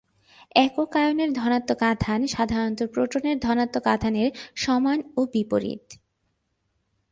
একক আয়নের ঋণাত্মক আধান সাধারণত প্রোটনের ধনাত্মক আধানের সমান ও বিপরীত।